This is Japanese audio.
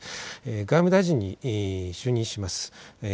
外務大臣に就任します。